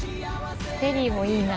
フェリーもいいな。